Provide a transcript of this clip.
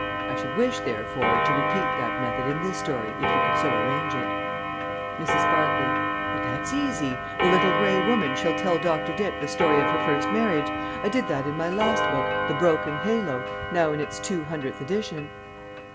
I should wish, therefore, to repeat that method in this story, if you could so arrange it._ _Mrs. Barclay. But that's easy. The Little Grey Woman shall tell Dr. Dick the story of her first marriage. I did that in my last book, "The Broken Halo," now in its two hundredth edition.